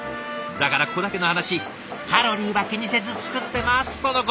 だからここだけの話「カロリーは気にせず作ってます！」とのこと。